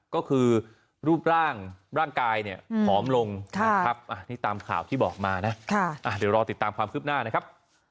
ก็คือรูปร่างร่างกายเนี่ยผอมลงนะครับนี่ตามข่าวที่บอกมานะเดี๋ยวรอติดตามความคืบหน้านะครับ